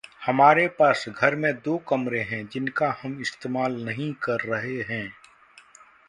हमारे पास घर में दो कमरे हैं जिनका हम इस्तेमाल नहीं कर रहे हैं।